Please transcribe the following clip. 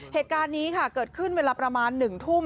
เหตุการณ์นี้ค่ะเกิดขึ้นเวลาประมาณ๑ทุ่ม